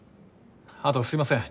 あとすいません